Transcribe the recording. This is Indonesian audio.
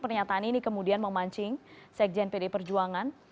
pernyataan ini kemudian memancing sekjen pd perjuangan